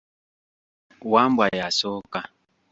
Wambwa y'asooka.